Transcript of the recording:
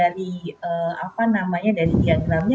kalau sekarang gitu ya sekarang kalau kita melihat dari diagramnya